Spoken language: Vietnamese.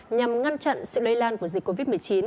nhằm ngăn chặn sự lây lan của dịch covid một mươi chín